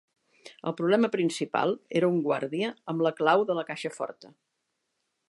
El problema principal era un guàrdia amb una clau de la caixa forta.